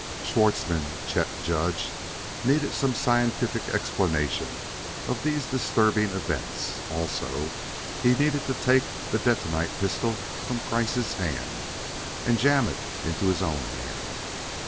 Schwartzmann, Chet judged, needed some scientific explanation of these disturbing events; also he needed to take the detonite pistol from Kreiss' hand and jam it into his own hand.